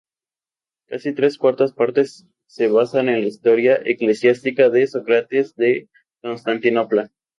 Casi tres cuartas partes se basan en la "Historia Ecclesiastica" de Sócrates de Constantinopla.